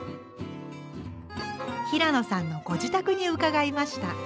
平野さんのご自宅に伺いました。